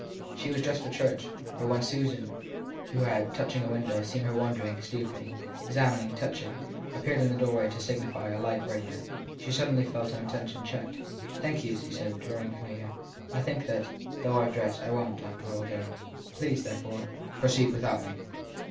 She was dressed for church ; but when Susan, who had, from a window, seen her wandering, stooping, examining, touching, appeared in the doorway to signify a like readiness, she sud denly felt her intention checked. Thank you/ she said, drawing near; I think that, though I ve dressed, I won t, after all, go. Please, therefore, proceed without me.